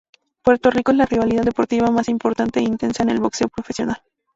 Puerto Rico es la rivalidad deportiva más importante e intensa en el boxeo profesional.